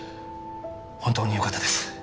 本当によかったです